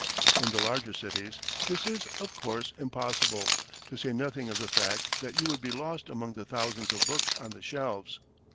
In the larger cities, this is, of course, impossible, to say nothing of the fact that you would be lost among the thousands of books on the shelves.